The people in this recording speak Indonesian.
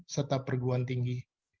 serta perguan tinggi